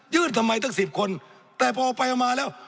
ยืดทำไมตั้ง๑๐คนแต่พอไปมาแล้ว